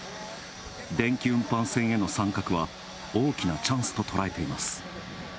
電気運搬船への参画は大きなチャンスと捉えています。